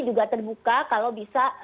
juga terbuka kalau bisa